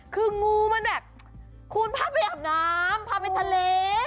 คืองูมันแบบคุณพาไปอาบน้ำพาไปทะเล